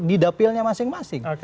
di dapilnya masing masing